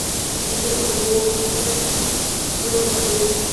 مځکه موږ ته ژوند راکوي.